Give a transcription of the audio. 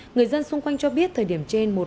người dân xung quanh cho biết thời điểm trên